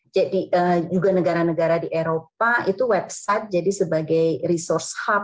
jadi juga negara negara di eropa juga negara negara di indonesia juga negara negara di indonesia juga negara negara di eropa